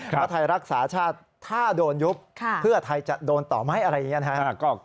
ว่าไทยรักษาชาติถ้าโดนยุบเพื่อไทยจะโดนต่อไหมอะไรอย่างนี้นะครับ